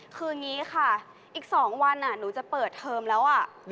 คืออย่างนี้ค่ะอีก๒วันหนูจะเปิดเทอมแล้ว